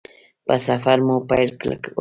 په سفر مو پیل وکړ.